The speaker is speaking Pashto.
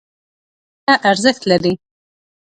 ځمکه ارزښت لري.